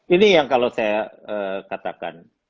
ini yang kalau saya katakan